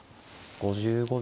５５秒。